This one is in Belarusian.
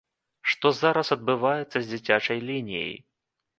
Што зараз адбываецца з дзіцячай лініяй?